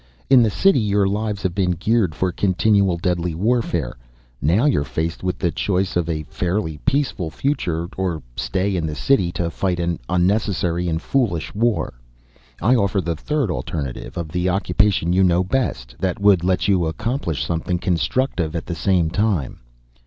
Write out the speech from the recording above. In the city your lives have been geared for continual deadly warfare. Now you're faced with the choice of a fairly peaceful future, or staying in the city to fight an unnecessary and foolish war. I offer the third alternative of the occupation you know best, that would let you accomplish something constructive at the same time.